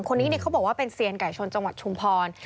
คนนี้เขาบอกว่าเป็นเซียนไก่ชนจังหวัดชุมพร